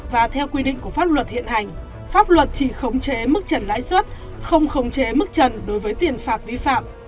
và theo quy định của pháp luật hiện hành pháp luật chỉ khống chế mức trần lãi suất không khống chế mức trần đối với tiền phạt vi phạm